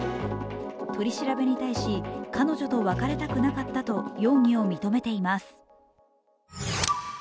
取り調べに対し、彼女と別れたくなかったと容疑を認めています。